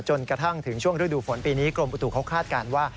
จนกระทั่งถึงช่วงฤดูฝนปีนี้กรมอุตุเขาคาดการณ์ว่า